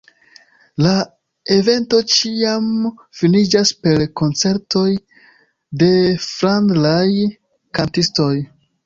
La evento ĉiam finiĝas per koncertoj de flandraj kantistoj.